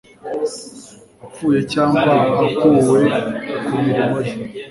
apfuye cyangwa akuwe ku mirimo ye